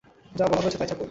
যা বলা হয়েছে তাই ছাপুন।